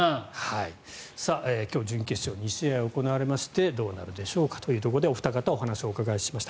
今日準決勝２試合行われましてどうなるでしょうかというところでお二方にお話をお伺いしました。